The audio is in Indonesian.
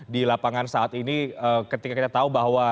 di lapangan saat ini ketika kita tahu bahwa